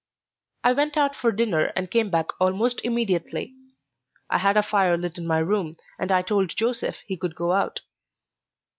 I went out for dinner and came back almost immediately. I had a fire lit in my room and I told Joseph he could go out.